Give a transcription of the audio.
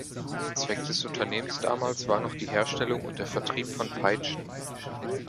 Zweck des Unternehmens damals war noch die Herstellung und der Vertrieb von Peitschen.